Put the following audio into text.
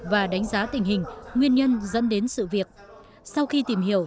và đánh giá tình hình nguyên nhân dẫn đến sự việc sau khi tìm hiểu